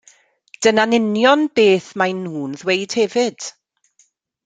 Dyna'n union beth maen nhw'n ddweud hefyd.